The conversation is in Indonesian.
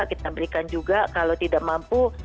kita berikan juga kalau tidak mampu